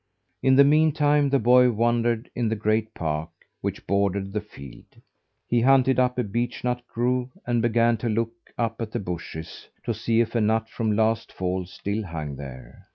In the meantime, the boy wandered in the great park which bordered the field. He hunted up a beech nut grove and began to look up at the bushes, to see if a nut from last fall still hung there.